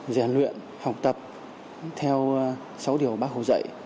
rèn luyện học tập theo sáu điều bác hồ dạy